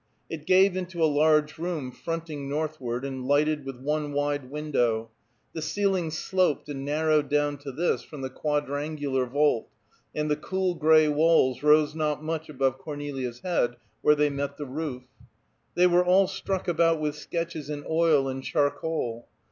It gave into a large room fronting northward and lighted with one wide window; the ceiling sloped and narrowed down to this from the quadrangular vault, and the cool gray walls rose not much above Cornelia's head where they met the roof. They were all stuck about with sketches in oil and charcoal.